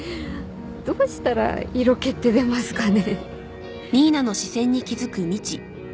どうしたら色気って出ますかね。